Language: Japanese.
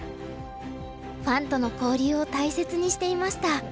ファンとの交流を大切にしていました。